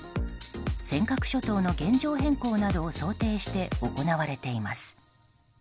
尖閣諸島の現状変更などを想定して行われています。